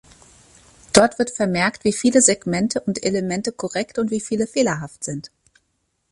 Dort wird vermerkt, wie viele Segmente und Elemente korrekt und wie viele fehlerhaft sind.